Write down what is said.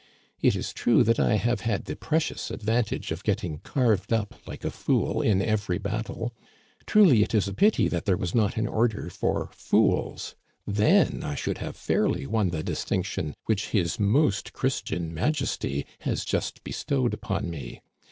It is true that I have had the precious advantage of getting carved up like a fool in every battle. Truly it is a pity that there was not an order for fools ; then I should have fairly won the distinction which his Most Christian Majesty has just bestowed upon me.